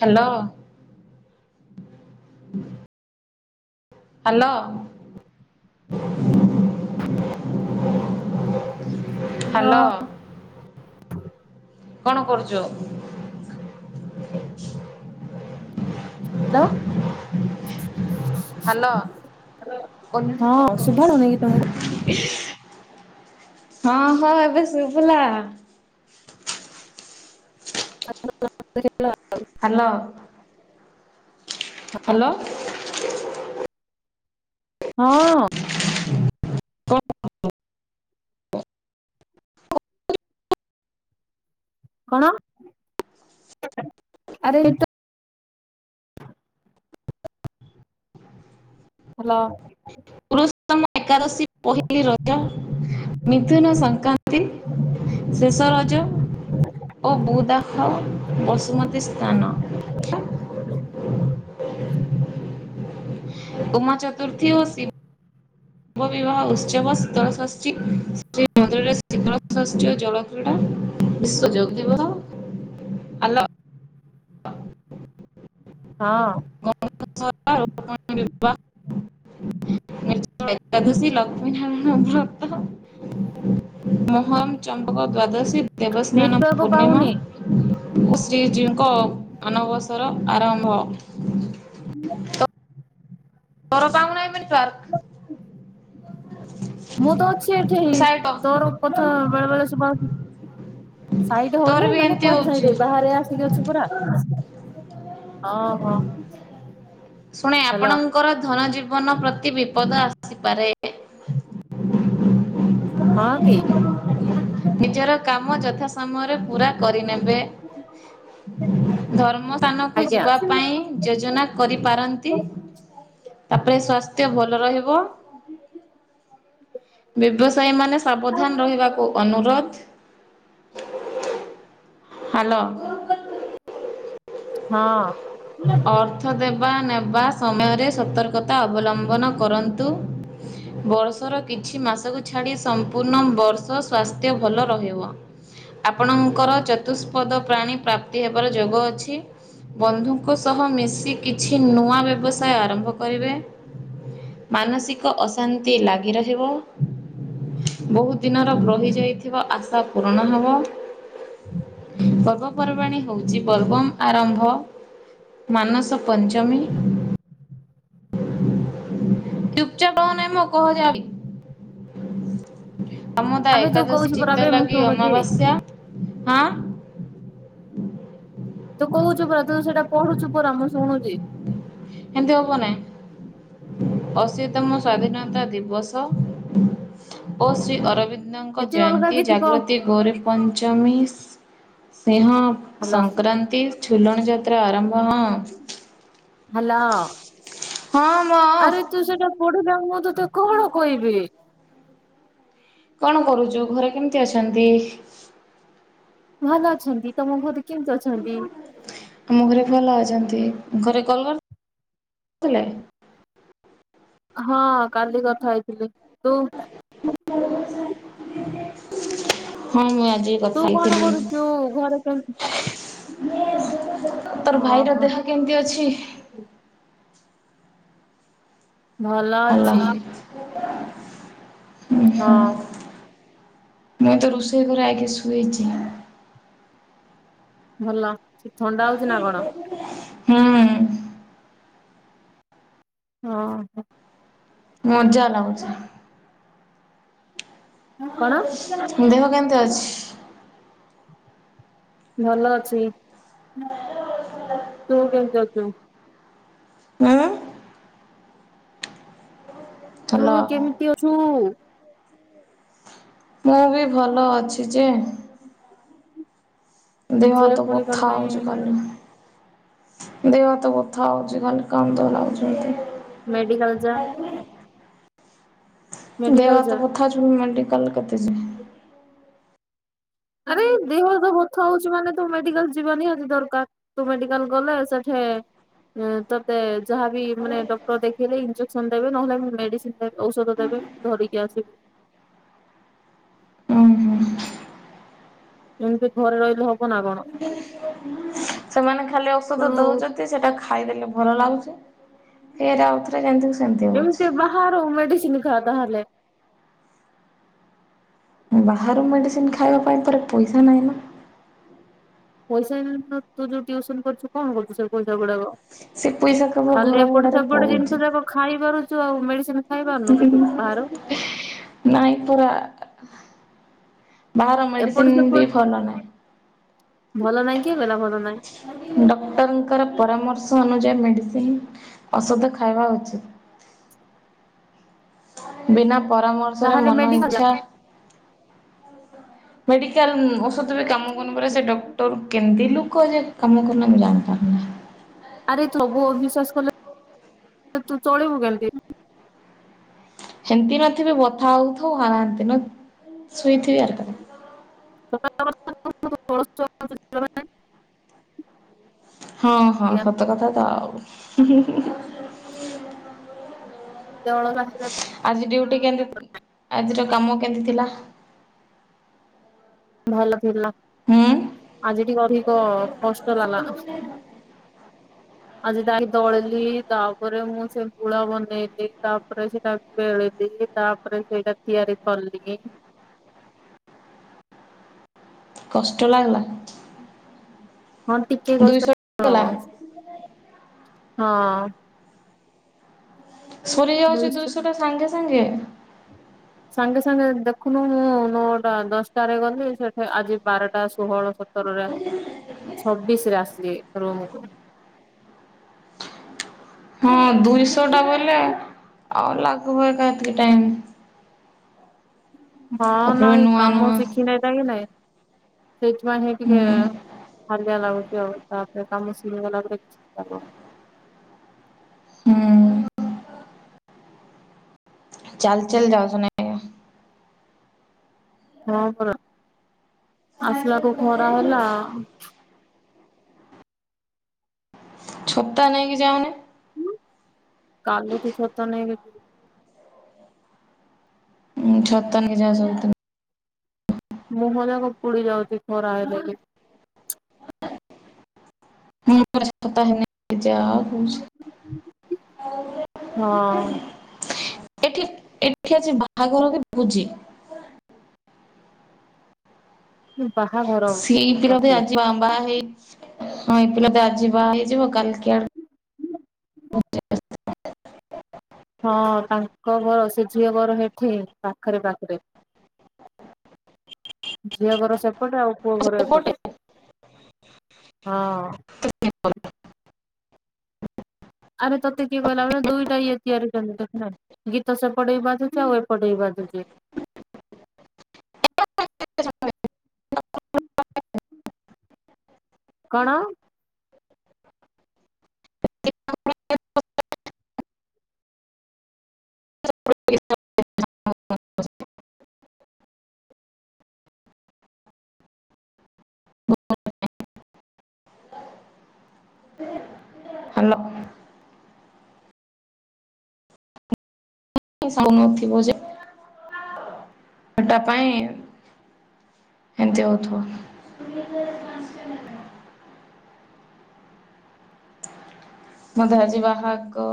Hello. Hello hello. Hello. କଣ କରୁଚ। Hello. ଅନନ୍ୟାକୁ ତମକୁ ଫୋନ୍ କରୁଛି। ହଁ ହଁ ଏବେ ଶୁଭିଲା। [unintelligible] ହାଲୋ। ହ ହଁ। [unintelligible] କଣ ଆରେ ଏଇ ତ [inaudible] ହାଲୋ। ପୁରୁଷତମ ଏକାଦଶୀ ପହିଲି ରଜ ମିଥୁନ ସଂକ୍ରାନ୍ତି ସଂକ୍ରାନ୍ତି ଶେଷ ରଜ ଓ ବୁଦାହ ବସୁମତୀ ସ୍ଥାନ। ଉମା ଚତୁର୍ଥୀ ଓ ଶିବ ଶିବ ବିବାହ ଉତ୍ସବ ଶୀତଳ ଷଷ୍ଠୀ ଶ ମନ୍ଦିରରେ ଶୀତଳ ଷଷ୍ଠୀ ଓ ଜଳ ଟା ବିଶ୍ଵ ଯୋଗ ଦିବ [unintelligible] ହଁ। [unintelligible] ଏକାଦଶୀ, ଲକ୍ଷ୍ମୀ ନାରାୟଣବ୍ରତ ମହୋନ ଚମ୍ପକ ଦ୍ଵାଦଶୀ, ଦେବସ୍ନାନ ନେଟୱାର୍କ ପୂର୍ଣ୍ଣିମା ପାଉନି ଓ ଶ୍ରୀଜୀଉଙ୍କ ମାନବସର ଆରମ୍ଭ। [unintelligible] ତୋର ପାଉ ନାଇ ନେଟୱର୍କ? ମୁଁ ତ ଅଛି ଏଠିି ସାଇଟ ତୋର କଥା ବେଳେ ବେଳେ ଶୁଭା ସାଇଡ ତୋର ହୋଲେ ବି ମାନେ ଏମିତି କୁଆଡେ ହଉଛି ସାଇଡ ବାହାରେ ଆସିକି ଅଛି ପରା। ଶୁଣେ ହ୍ୟାଲୋ ଆପଣ ଙ୍କର ଧନ ଜୀବନ ପ୍ରତି ବିପଦ ଆସିପାରେ। ହଁ କି? ନିଜର କାମ ଯଥା ସମୟରେ ପୁରା କରିନେବେ। ଧର୍ମ ସ୍ଥାନକୁ ଆଜ୍ଞା। ଯିବା ପାଇଁ ଯୋଜନା କରିପାରନ୍ତି। ତାପରେ ସ୍ଵାସ୍ଥ୍ୟ ଭଲ ରହିବ। ବ୍ୟବସାୟୀ ମାନେ ସାବଧାନ ରହିବାକୁ ଅନୁରୋଧ। ହାଲୋ। ହଁ। ଅର୍ଥ ଦେବା ନେବା ସମୟରେ ସତର୍କତା ଅବଲମ୍ବନ କରନ୍ତୁ। ବର୍ଷର କିଛି ମାସକୁ ଛାଡି ସମ୍ପୂର୍ଣ୍ଣ ବର୍ଷ ସ୍ୱାସ୍ଥ୍ୟ ଭଲ ରହିବ। ଆପଣଙ୍କର ଚତୁଷ୍ପଦ ପ୍ରାଣୀ ପ୍ରାପ୍ତି ହେବାର ଯୋଗ ଅଛି। ବନ୍ଧୁ ଙ୍କ ସହ ମିଶି କିଛି ନୂଆ ବ୍ୟବସାୟ ଆରମ୍ଭ କରିବେ। ମାନସିକ ଅଶାନ୍ତି ଲାଗି ରହିବ। ବୋହୁତ ଦିନର ରହି ଯାଇଥିବା ଆଶା ପୂରଣ ହବ। ପର୍ବପର୍ବାଣୀ ହୋଉଚି ବୋଲବମ୍ୱ ଆରମ୍ଭ। ମାନସ ପଞ୍ଚମୀ। ଚୁପଚାପ ରହୁ ନାଁଇ ମ କହ ଯାଡି ଅମଦା ଆବେ ତୁ ଏକାଦଶୀ କହୁଛୁ ପରା ଚିତ ବେ ମୁଁ ଲାଗି ଶୁଣୁଛି ଅମାବାସ୍ୟା ହଁ। ତୁ କୋହୁଚୁ ପରା ତୁ ସେଟା ପଢୁଚୁ ପରା ମୁଁ ଶୁଣୁଚି। ହେମିତି ହବନାଇଁ। ଅଶୀତମ ସ୍ଵାଧୀନତା ଦିବସ ଓ ଶ୍ରୀ ଅରବି ନ୍ଦଙ୍କ କିଛି ଅଲଗା ଜୟନ୍ତୀ କିଛି କହ ଜାଗ୍ରତି ଗୋରୀ ପଞ୍ଚମୀ, ସିଂହ ହ୍ୟାଲୋ ସଂକ୍ରାନ୍ତି ଝୁଲଣ ଯାତ୍ରା ଆରମ୍ଭ ହଁ। ହାଲୋ। ହଁ ମ ଆରେ ତୁ ସେଟା ପଢୁଥା ମୁଁ ତତେ କଣ କହିବି? କଣ କରୁଚୁ ଘରେ କେମିତି ଅଛନ୍ତି? ଭଲ ଅଛନ୍ତି ତମ ଘରେ କେମିତି ଅଛନ୍ତି? ଆମ ଘରେ ଭଲ ଅଛନ୍ତି। ଘରେ କଲ୍ କରି ଥିଲେ? ହଁ କାଲି କଥା ହେଇଥିଲି। ତୁ ହଁ ମୁଁ ଆଜି କଥା ତୁ କଣ ହେଇଥିଲି କରୁଚୁ? ଘରେ କେମି ତୋର ଭାଇର ଦେହ କେମିତି ଅଛି? ଭଲ ହାଲୋ ଅଛି। ଉଁ ହଁ ହୁଁ। ମୁଁ ତ ରୋଷେଇ ଘରେ ଆଗେ ଶୋଇଚି। ଭଲ। ଥଣ୍ଡା ହଉଛି ନା କଣ? [unintelligible] ହୁଁ। ହଁ ପା। ମଜା ଲାଗୁଚି। କଣ? ଦେହ କେମତି ଅଛି? ଭଲ ଅଛି। [inaudible] ତୁ କେମତି ଅଛୁ? ମୁଁ ତୁ ହାଲୋ କେମିତି ଅଛୁ? ମୁଁ ବି ଭଲ ଅଛି ଯେ ଦେହ ଯେ ହାତ ପୁଣି କଣ ବଥା ପାଇଁ ହୋଉଚି କାଲି। ଦେଅ ହାତ ବଥା ହଉଚି ଖାଲି କାନ୍ଦ ଲାଗୁଛି ମୋତେ। ମେଡ଼ିକାଲ୍ ଯାଅନି। ଦେହ ଯା ହାତ ବଥା ହଉଚି ପୁଣି ମେଡିକାଲ୍ କେତେ ଯିବି। ଆରେ ଦେହ ହାତ ବଥା ହଉଛି ମାନେ ତୁ ମେଡିକାଲ୍ ଯିବା ନିିହାତି ଦରକାର। ତୁ ମେଡିକାଲ୍ ଗଲେ ସେଠେ ଏଁ, ତୋତେ ଯାହାବି ମାନେ ଡକ୍ଟର୍ ଦେଖେଇଲେ ଇଞ୍ଜେକ୍ସନ୍ ଦେବେ ନହେଲେ ନାଇଁ ମେଡିସିନ୍ ଦେ- ଔଷଧ ଦେବେ। ଧରିକି ଆସିବୁ। ଅଁ, ହଁ। ଏମତି ଘରେ ରହିଲେ ହବ ନା କଣ? ସେମାନେ ଖାଲି ତୁ ଔଷଧ ଦଉଚନ୍ତି ସେଟା ଖାଇଦେଲେ ଭଲ ଲାଗୁଛି। ଫେରେ ଆଉଥରେ ଯେମତି କୁ ସେମତି ହଉଛି। ହଁ ରୁ- ମେଡିସିନ୍ ଖାଅ ତାହେଲେ। ବାହାରୁ ମେଡ଼ିସିନ୍ ଖାଇବା ପାଇଁ ପରା ପଇସା ନାହିଁ ନା। ପଇସା ନାହିଁ ତ ତୁ ଯୋଉ ଟିଉସନ୍ କରୁଛୁ କଣ କରୁଛୁ ସେ ପଇସା ଗୁଡାକ? ସେ ପଇସା କେବଳ ଖାଲି ଘର ଏପଟ ଭଡାରେ ସେପଟ ପଳଉଛି ଜିନିଷ ଯାକ ଖାଇ ପାରୁଚୁ ଆଉ ମେଡ଼ିସିନ୍ [unintelligible] ନାଇଁ ପରା। ବାହାର ଏପଟ ମେଡ଼ିସିନ୍ ସେପଟ ବି ଭଲ ନାହିଁ। ଭଲ ନାଇଁ କିଏ କହିଲା ଭଲ ନାଇଁ? ଡକ୍ଟର୍ ଙ୍କର ପରାମର୍ଶ ଅନୁଯାୟୀ ମେଡ଼ିସିନ୍ ଔଷଧ ଖାଇବା ଉଚିତ୍। ବିନା ପରାମର୍ଶରେ ତାହେଲେ ମନ ମେଡିକାଲ ଇଚ୍ଛା ମେଡ଼ିକାଲ୍ ଉଁ, ଔଷଧ ବି କାମ କରୁନି ପରା ସେ ଡକ୍ଟର୍ କେମତି ଲୁକ ଯେ କାମ କରୁନାଇ ମୁଁ ଜାଣି ପାରୁନି। ଆରେ ଥୋବୋ ଅବିଶ୍ଵାସ କଲେ ତୁ ଚଳିବୁ କେମତି? ସେମତି ନଥିବେ ବଥା ହଉଥୁବ ହାଆନ୍ତି ନ ଶୁଇଥିବେ ଆର କ [unintelligible] [inaudible] ହଁ, ହଁ ସତ କଥା ତ ଆଉ, ହୁଁ, ହୁଁ, ହୁଁ। ସେ ଅଳସୁଆ [unintelligible] ଆଜି ଡ୍ୟୁଟି କେମିତି? ଆଜିର କାମ କେମିତି ଥିଲା? ଭଲ ଥିଲା, ହୁଁ ଆଜି ଟିକେ ଅଧିକ କଷ୍ଟ ଲାଗଲା। [inaudible] ଆଜି [unintelligible] ଦଳିଲି ତାପରେ ମୁଁ ସେ ଗୁଳା ବନେଇଲି ତାପରେ ସେଟା ବେଳିଲି। ତାପରେ ସେଇଟା ତିଆରି କଲି। କଷ୍ଟ ଲାଗଲା? ହଁ ଟିକେ କଷ୍ଟ ଦୁଇଶହ ଗଲା ଅଁ, ହଁ। ସରିଯାଉଚି ନିଶ୍ଚୟ ଦୁଇଶହଟା ସାଙ୍ଗେ ସାଙ୍ଗେ? ସାଙ୍ଗେ ସାଙ୍ଗେ ଦେଖୁନୁ ମୁଁ ନଅଟା ଦଶଟାରେ ଗଲି ସେଠି ଆଜି ବାରଟା ଷୋହଳ ସ ତରରେ ଆ, ଛବିଶି ରେ ଆସଲି ରୁମ୍ କୁ। ହଁ ଦୁଇଶହ ଟା ବୋଇଲେ ଆଉ ଲାଗିବ ଏକା ଏତକି ଟାଇମ୍। ହଁ ତାପରେ ନାହି ନୂଆ କାମ ନୂଆ ଶିଖ [unintelligible] ନାଇଁ ସେଇଥିପାଇଁ ହିଁ ହୁଁ ଟିକେ ହାଲିଆ ଲାଗୁଚି ଆଉ। ତାପରେ କାମ ଶିଖିଗଲା ପରେ କିଛି କାମ ହଁ, ହଁ। ଚାଲ ଚାଲି ଯାଉଛ ନା? ଓ, ହଁ ପରା, ଆସିଲାକୁ ଖରା ହେଲା। ଛତା ନେଇକି ଯାଉନେ? କାଲି ଠୁ ଛତା ନେଇକି ଯିବି। ଉଁ ଛତା ନେଇଯାଅ ସବୁଦିନ। ମୁହଁ ଯାକ ପୁଡି ଯାଉଛି ଖରା ହେଲେ କିି ମୁଁତା ହେନ ଯାଅ [unintelligible] ହଁ। ଏଠି ଏଠି ଆଜି ବାହାଘର କି ଭୋଜି ବାହାଘର ସିଏଇ ପିଲା ତ ମତେ ଆଜି ବାହା ହେଇ ହଁ ଏଇ ପିଲା ତ ଆଜି ବାହା ହେଇଯିବ କାଲିକି ଆଡକୁ ହଁ ତାଙ୍କ ଘର ସେ ଝିଅ ଘର ହେଠି ପାଖରେ ପାଖରେ। ଝିଅ ଘର ସେପଟେ ଆଉ ପୁଅ ଘର ସେପଟେ ଏପଟେ ହଁ। [inaudible] ଆରେ ତୋତେ କିଏ କହିଲା ଦୁଇଟା ଇଏ ତିଆରି [unintelligible] ନା ଗୀତ ସେପଟେ ବି ବାଜୁଚି ଆଉ ଏପଟେ ବି ବାଜୁଚି। [inaudible] [inaudible] କଣ। ହାଲୋ। ଏ ସମୟ ଥିବ ଯେ ହେଟା ପାଇଁ ଏମିତି ହଉଥିବ। କୋଡ଼ିଏ ହଜାର ପାଆଁଶ ନେଲେ ନେହିଁ। ମତେ ଆଜି ବାହାଘ